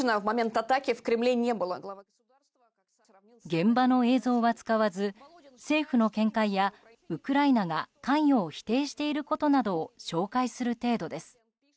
現場の映像は使わず政府の見解やウクライナが関与を否定していることなどを紹介する程度です。